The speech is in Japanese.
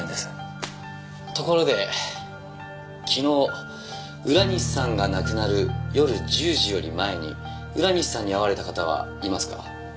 ところで昨日浦西さんが亡くなる夜１０時より前に浦西さんに会われた方はいますか？